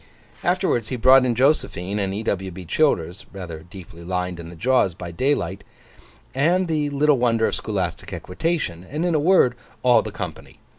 Afterwards he brought in Josephine, and E. W. B. Childers (rather deeply lined in the jaws by daylight), and the Little Wonder of Scholastic Equitation, and in a word, all the company.